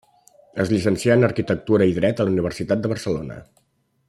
Es llicencià en arquitectura i dret a la Universitat de Barcelona.